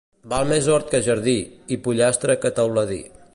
Val més hort que jardí, i pollastre que teuladí.